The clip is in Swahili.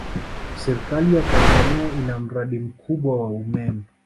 Serikali ya Tanzania ina mradi mkubwa wa umeme